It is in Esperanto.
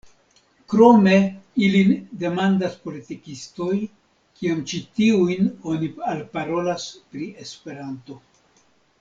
Krome ilin demandas politikistoj, kiam ĉi tiujn oni alparolas pri Esperanto.